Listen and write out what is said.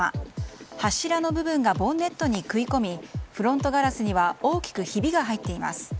柱の部分がボンネットに食い込みフロントガラスには大きくひびが入っています。